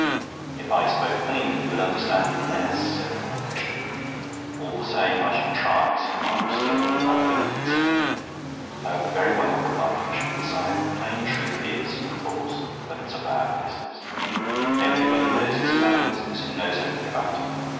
"If I spoke plainer you would understand me less," said Horne Fisher. "All the same I should try," said March, still without lifting his head. "Oh, very well," replied Fisher, with a sigh; "the plain truth is, of course, that it's a bad business. Everybody knows it's a bad business who knows anything about it.